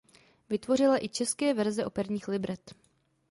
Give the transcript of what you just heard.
Vytvořila i české verze operních libret.